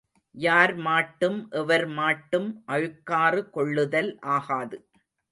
யார் மாட்டும் எவர் மாட்டும் அழுக்காறு கொள்ளுதல் ஆகாது.